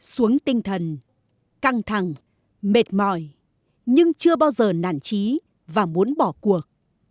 xuống tinh thần căng thẳng mệt mỏi nhưng chưa bao giờ nản trí và muốn bỏ cuộc